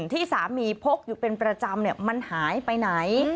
ที่สามีพกอยู่เป็นประจำมันหายไปไหน